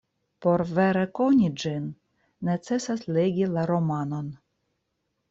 Por vere koni ĝin, necesas legi la romanon.